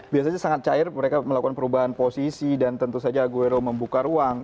biasanya sangat cair mereka melakukan perubahan posisi dan tentu saja aguero membuka ruang